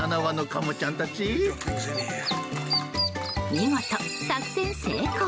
見事、作戦成功。